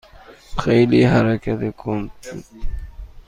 خیلی حرکت کند بود.